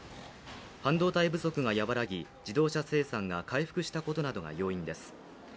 半導体生産が和らぎ自動車生産が回復したことなどが要因です。